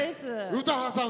詩羽さん